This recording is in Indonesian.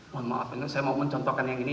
mohon maaf saya mau mencontohkan yang ini